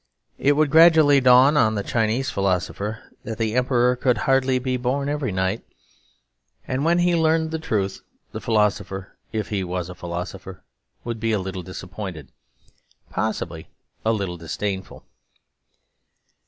It would gradually dawn on the Chinese philosopher that the Emperor could hardly be born every night. And when he learnt the truth the philosopher, if he was a philosopher, would be a little disappointed ... possibly a little disdainful.